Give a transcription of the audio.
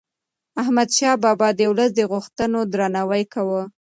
احمدشاه بابا د ولس د غوښتنو درناوی کاوه.